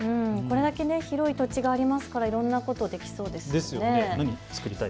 これだけ広い土地がありますからいろんなことできそうですよね。